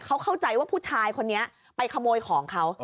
เขาเข้าใจว่าผู้ชายคนนี้ไปขโมยของเขา